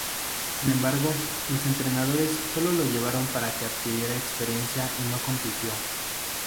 Sin embargo, los entrenadores solo lo llevaron para que adquiriera experiencia y no compitió.